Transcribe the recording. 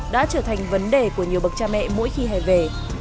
đã trở thành vấn đề của nhiều bậc cha mẹ mỗi khi hè về